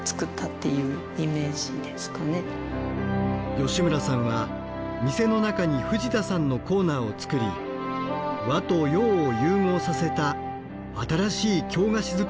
吉村さんは店の中に藤田さんのコーナーを作り和と洋を融合させた新しい京菓子作りを支援しています。